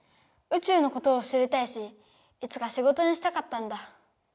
宇宙のことを知りたいしいつか仕事にしたかったんだ。